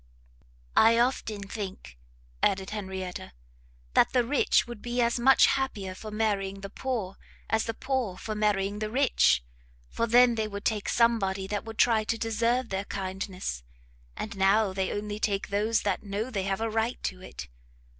"I often think," added Henrietta, "that the rich would be as much happier for marrying the poor, as the poor for marrying the rich, for then they would take somebody that would try to deserve their kindness, and now they only take those that know they have a right to it.